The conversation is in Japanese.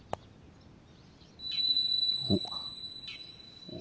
おっ。